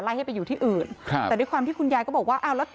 ให้ไปอยู่ที่อื่นครับแต่ด้วยความที่คุณยายก็บอกว่าอ้าวแล้ว